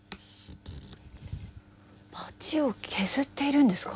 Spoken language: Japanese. バチを削っているんですか？